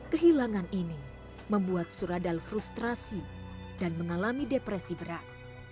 kehilangan ini membuat suradal frustrasi dan mengalami depresi berat